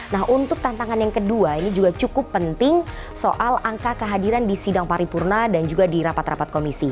nah untuk tantangan yang kedua ini juga cukup penting soal angka kehadiran di sidang paripurna dan juga di rapat rapat komisi